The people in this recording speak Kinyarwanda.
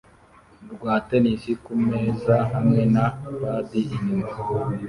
rwa tennis kumeza hamwe na padi inyuma